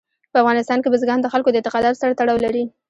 په افغانستان کې بزګان د خلکو د اعتقاداتو سره تړاو لري.